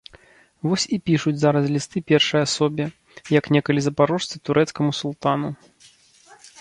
Вось і пішуць зараз лісты першай асобе, як некалі запарожцы турэцкаму султану.